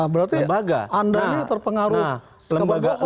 berarti anda ini terpengaruh ke kppo